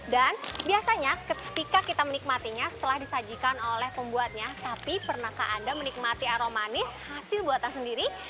biasanya ketika kita menikmatinya setelah disajikan oleh pembuatnya tapi pernahkah anda menikmati aromanis hasil buatan sendiri